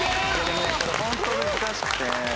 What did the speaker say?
これホント難しくて。